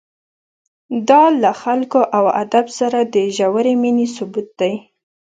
دا له خلکو او ادب سره د ژورې مینې ثبوت دی.